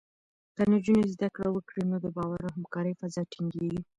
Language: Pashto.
که نجونې زده کړه وکړي، نو د باور او همکارۍ فضا ټینګېږي.